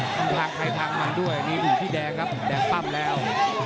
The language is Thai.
คำพลังไททางมาด้วยนี่คือพี่แดงครับแดงปั้มแล้ว